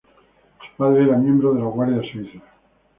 Su padre era miembro de la guardia suiza.